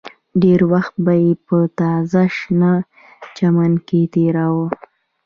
ډېر وخت به یې په تازه شنه چمن کې تېراوه